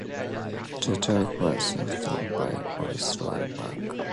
The truck was soon stopped by a police roadblock.